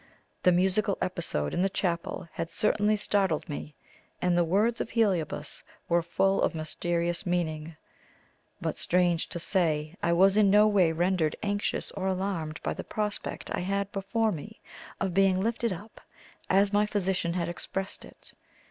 The musical episode in the chapel had certainly startled me, and the words of Heliobas were full of mysterious meaning; but, strange to say, I was in no way rendered anxious or alarmed by the prospect I had before me of being "lifted up," as my physician had expressed it.